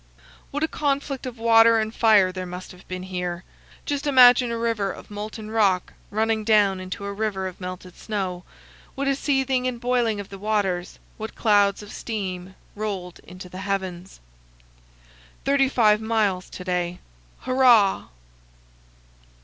What a conflict of water and fire there must have been here! Just imagine a river of molten rock running down into a river of melted snow. What a seething and boiling of the waters; what clouds of steam rolled into the heavens! Thirty five miles to day. Hurrah!